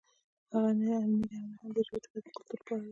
هغه نه علمي دی او نه هم د ژبې د ودې لپاره ګټور دی